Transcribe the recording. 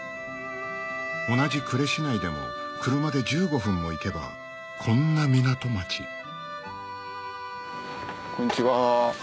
同じ呉市内でも車で１５分も行けばこんな港町こんにちは。